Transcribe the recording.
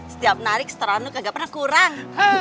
setiap narik setoranmu kagak pernah kurang